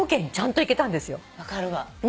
分かるわ。